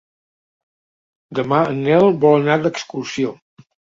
Demà en Nel vol anar d'excursió.